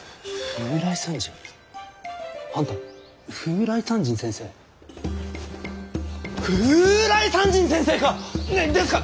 風来山人先生か！？ですか！？